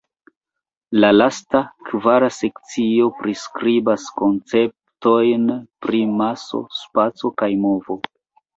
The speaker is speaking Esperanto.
La lasta, kvara sekcio priskribas konceptojn pri maso, spaco kaj movo.